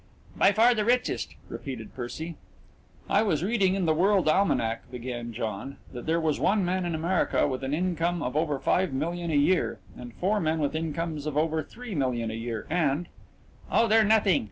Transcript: "By far the richest," repeated Percy. "I was reading in the World Almanac," began John, "that there was one man in America with an income of over five million a year and four men with incomes of over three million a year, and " "Oh, they're nothing."